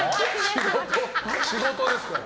仕事ですから。